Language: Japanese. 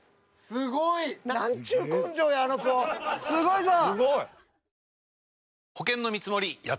すごいぞ！